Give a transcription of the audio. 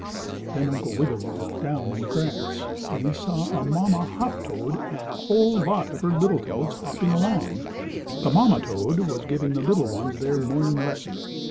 Then Uncle Wiggily looked down in the grass, and he saw a mamma hoptoad and a whole lot of her little toads hopping along. The mamma toad was giving the little ones their morning lesson.